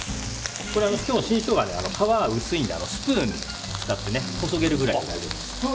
今日は新ショウガ、皮が薄いのでスプーンを使ってこそげるくらいで大丈夫です。